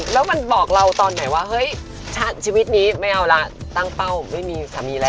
แล้วมันบอกเราตอนไหนว่าเฮ้ยชีวิตนี้ไม่เอาละตั้งเป้าไม่มีสามีแล้ว